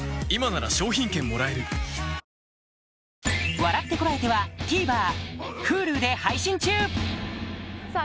『笑ってコラえて！』はＴＶｅｒＨｕｌｕで配信中さぁ